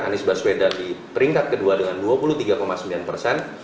anies baswedan di peringkat kedua dengan dua puluh tiga sembilan persen